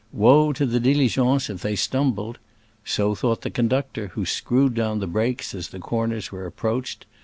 Woe to the diligence if they stumbled ! So thought the conductor, who screwed down the brakes as the corners were approached.